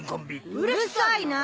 うるさいな！